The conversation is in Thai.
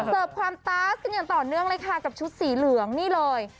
เสิร์ฟความตาสกันอย่างต่อเนื่องเลยค่ะกับชุดสีเหลืองนี่เลย